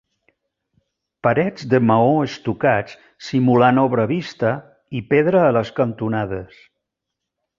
Parets de maó estucats simulant obra vista i pedra a les cantonades.